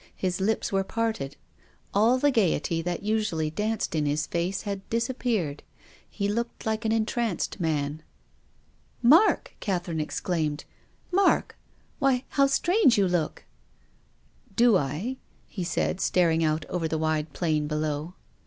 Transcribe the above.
His lips were parted. All the gaiety that usually danced in his face had disappeared. He looked like an entranced man. " Mark !" Catherine exclaimed. " Mark ! why, how strange you look! "" Do I ?" he said, staring out over the wide plain below.